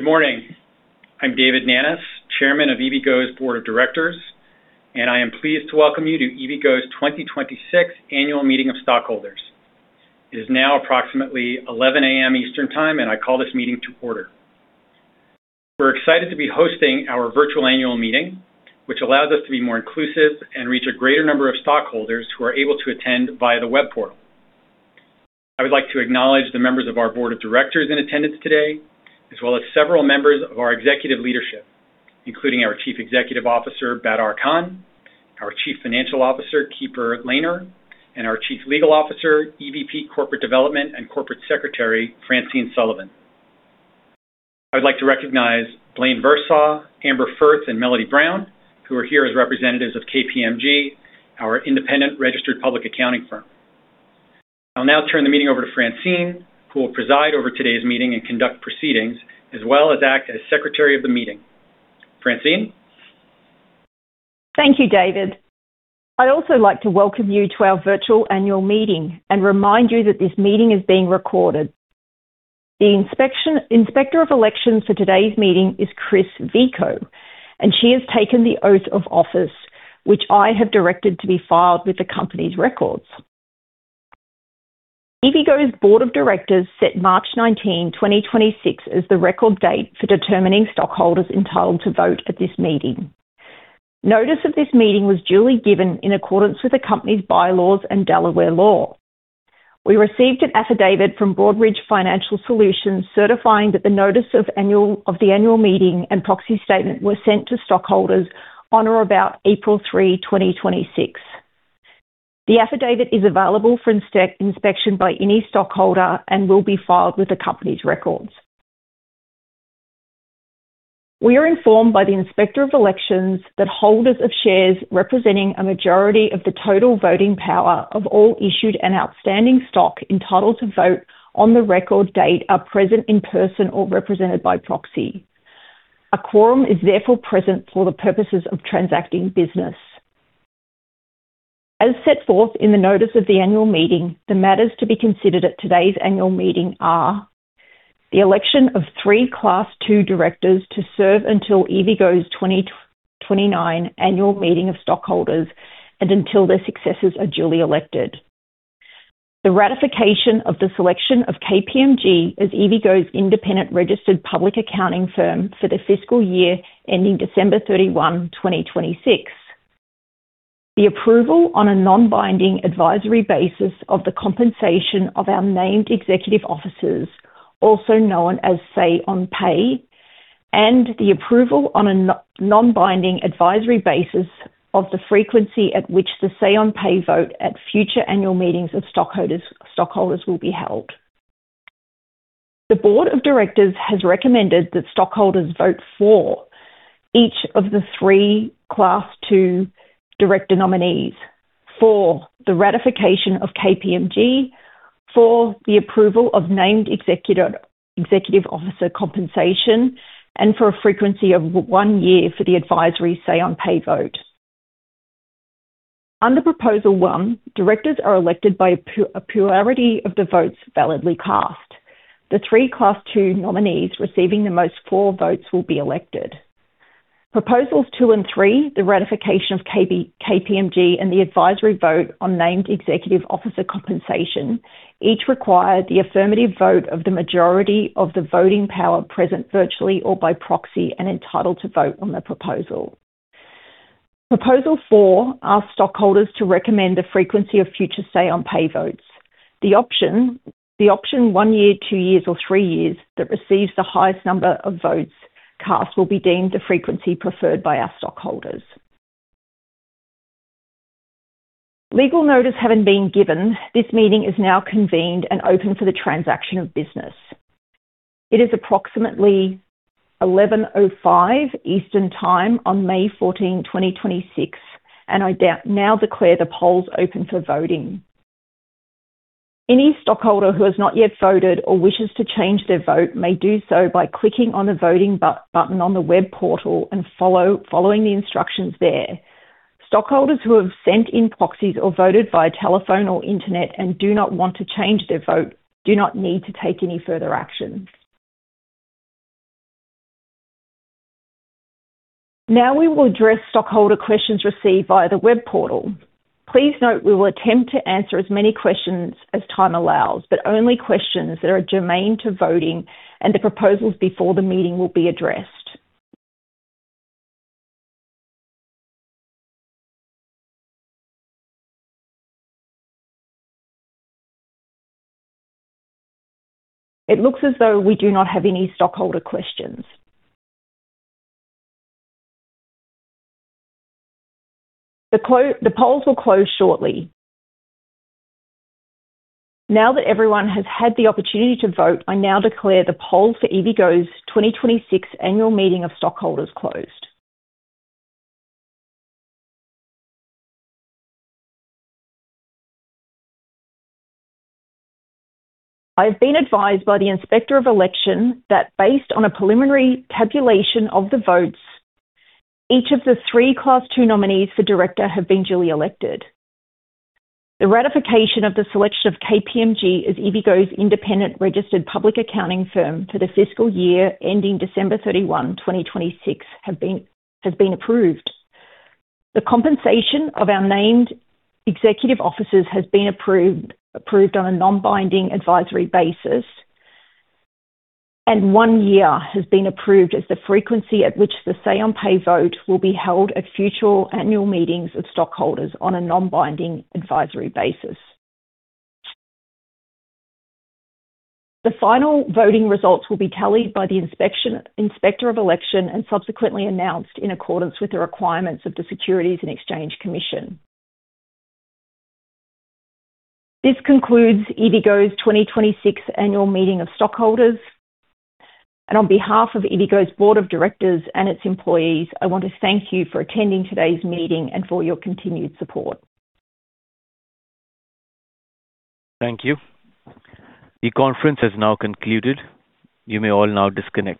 Good morning. I'm David Nanus, Chairman of EVgo's Board of Directors, and I am pleased to welcome you to EVgo's 2026 annual meeting of stockholders. It is now approximately 11:00 A.M. Eastern Time. I call this meeting to order. We're excited to be hosting our virtual annual meeting, which allows us to be more inclusive and reach a greater number of stockholders who are able to attend via the web portal. I would like to acknowledge the members of our Board of Directors in attendance today, as well as several members of our Executive Leadership, including our Chief Executive Officer, Badar Khan; our Chief Financial Officer, Keefer Lehner; and our Chief Legal Officer, EVP Corporate Development, and Corporate Secretary, Francine Sullivan. I would like to recognize Blaine Versaw, Amber Firth, and Melody Brown, who are here as representatives of KPMG, our independent registered public accounting firm. I'll now turn the meeting over to Francine, who will preside over today's meeting and conduct proceedings, as well as act as secretary of the meeting. Francine. Thank you, David. I'd also like to welcome you to our virtual annual meeting and remind you that this meeting is being recorded. The inspector of elections for today's meeting is Chris Vico, and she has taken the oath of office, which I have directed to be filed with the company's records. EVgo's Board of Directors set March 19, 2026 as the record date for determining stockholders entitled to vote at this meeting. Notice of this meeting was duly given in accordance with the company's bylaws and Delaware law. We received an affidavit from Broadridge Financial Solutions certifying that the notice of the annual meeting and proxy statement were sent to stockholders on or about April 3, 2026. The affidavit is available for inspection by any stockholder and will be filed with the company's records. We are informed by the Inspector of Elections that holders of shares representing a majority of the total voting power of all issued and outstanding stock entitled to vote on the record date are present in person or represented by proxy. A quorum is therefore present for the purposes of transacting business. As set forth in the notice of the annual meeting, the matters to be considered at today's annual meeting are the election of three class two directors to serve until EVgo's 2029 annual meeting of stockholders and until their successors are duly elected. The ratification of the selection of KPMG as EVgo's independent registered public accounting firm for the fiscal year ending December 31, 2026. The approval on a non-binding advisory basis of the compensation of our named executive officers, also known as Say on Pay, and the approval on a non-binding advisory basis of the frequency at which the Say on Pay vote at future annual meetings of stockholders will be held. The board of directors has recommended that stockholders vote for each of the three class two director nominees for the ratification of KPMG, for the approval of named executive officer compensation, and for a frequency of one year for the advisory Say on Pay vote. Under proposal one, directors are elected by a plurality of the votes validly cast. The three class two nominees receiving the most four votes will be elected. Proposals two and three, the ratification of KPMG and the advisory vote on named executive officer compensation, each require the affirmative vote of the majority of the voting power present virtually or by proxy and entitled to vote on the proposal. Proposal four asks stockholders to recommend the frequency of future Say on Pay votes. The option one year, two years, or three years that receives the highest number of votes cast will be deemed the frequency preferred by our stockholders. Legal notice having been given, this meeting is now convened and open for the transaction of business. It is approximately 11:05 A.M. Eastern time on May 14, 2026, I now declare the polls open for voting. Any stockholder who has not yet voted or wishes to change their vote may do so by clicking on the voting button on the web portal and following the instructions there. Stockholders who have sent in proxies or voted via telephone or internet and do not want to change their vote do not need to take any further action. We will address stockholder questions received via the web portal. Please note we will attempt to answer as many questions as time allows, only questions that are germane to voting and the proposals before the meeting will be addressed. It looks as though we do not have any stockholder questions. The polls will close shortly. That everyone has had the opportunity to vote, I now declare the poll for EVgo's 2026 annual meeting of stockholders closed. I've been advised by the Inspector of Elections that based on a preliminary tabulation of the votes, each of the three class two nominees for director have been duly elected. The ratification of the selection of KPMG as EVgo's independent registered public accounting firm for the fiscal year ending December 31, 2026 has been approved. The compensation of our named executive officers has been approved on a non-binding advisory basis, and one year has been approved as the frequency at which the Say on Pay vote will be held at future annual meetings of stockholders on a non-binding advisory basis. The final voting results will be tallied by the inspector of elections and subsequently announced in accordance with the requirements of the Securities and Exchange Commission. This concludes EVgo's 2026 annual meeting of stockholders. On behalf of EVgo's board of directors and its employees, I want to thank you for attending today's meeting and for your continued support. Thank you. The conference has now concluded. You may all now disconnect.